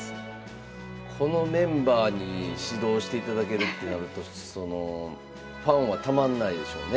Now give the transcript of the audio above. このメンバーに指導していただけるってなるとファンはたまんないでしょうね。